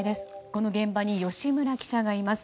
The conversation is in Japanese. この現場に吉村記者がいます。